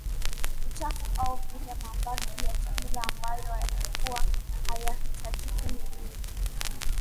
uchafu au vile mabaki ya chakula ambayo yalikuwa hayahitajiki mwilini